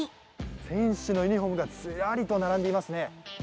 選手のユニフォームがずらりと並んでいますね。